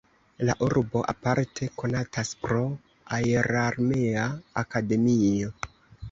La urbo aparte konatas pro aerarmea akademio.